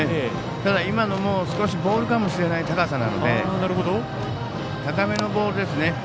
ただ、今のも少しボールかもしれない高さなので高めのボールですね。